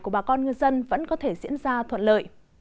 của bà con ngư dân vẫn có thể diễn ra thuận lợi